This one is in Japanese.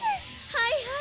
はいはい。